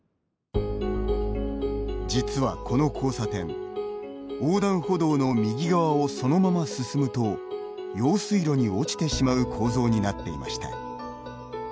実はこの交差点横断歩道の右側をそのまま進むと用水路に落ちてしまう構造になっていました。